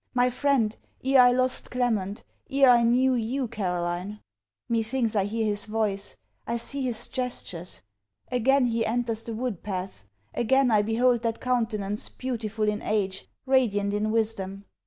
My friend, ere I lost Clement, ere I knew you, Caroline. Methinks I hear his voice; I see his gestures. Again, he enters the wood path. Again, I behold that countenance beautiful in age, radiant in wisdom.